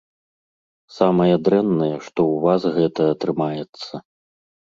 Самае дрэннае, што ў вас гэта атрымаецца.